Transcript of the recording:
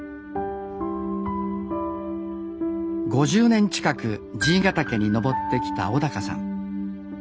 ５０年近く爺ヶ岳に登ってきた小さん。